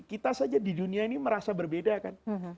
kita saja di dunia ini merasa berbeda kan